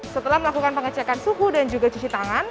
setelah melakukan pengecekan suhu dan juga cuci tangan